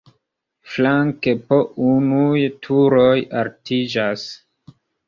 Flanke po unuj turoj altiĝas.